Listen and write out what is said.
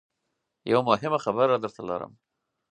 یوه مهمه خبره درته لرم .